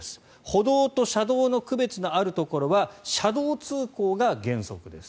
歩道と車道の区別のあるところは車道通行が原則です。